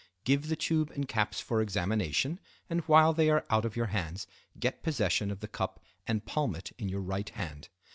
Give the tube and caps for examination, and while they are out of your hands, get possession of the cup and palm it in your right hand.